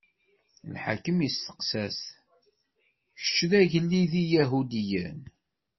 Lḥakem isteqsa-t: Kečč, d agellid n Iyahudiyen?